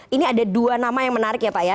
ini ada dua nama yang menarik ya pak ya